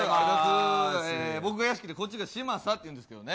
僕が屋敷でこっちが嶋佐っていうんですけどね。